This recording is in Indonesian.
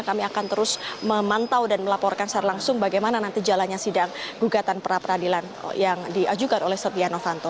harus memantau dan melaporkan secara langsung bagaimana nanti jalannya sidang gugatan perapradilan yang diajukan oleh setia novanto